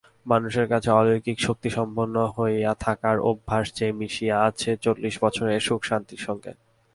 মানুষের কাছে অলৌকিক শক্তিসম্পন্ন হইয়া থাকার অভ্যাস যে মিশিয়া আছে চল্লিশ বছরের সুখশান্তির সঙ্গে।